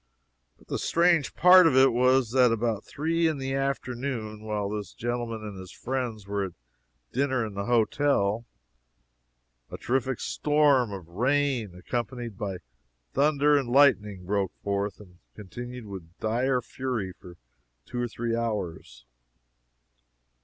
But the strange part of it was that about three in the afternoon, while this gentleman and his friends were at dinner in the hotel, a terrific storm of rain, accompanied by thunder and lightning, broke forth and continued with dire fury for two or three hours.